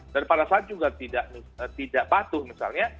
dan pada saat juga tidak patuh misalnya